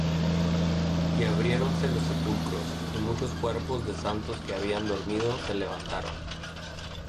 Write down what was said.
Y abriéronse los sepulcros, y muchos cuerpos de santos que habían dormido, se levantaron;